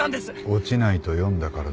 落ちないと読んだからだ。